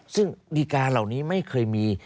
ซึ่งดีการเหล่านี้ไม่เคยมี